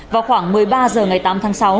vào khoảng một mươi ba h ngày tám tháng sáu